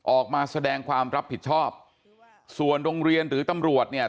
ออกมาแสดงความรับผิดชอบส่วนโรงเรียนหรือตำรวจเนี่ย